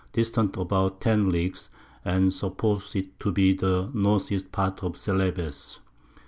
distant about 10 Leagues, and suppos'd it to be the N. E. Part of Celebes.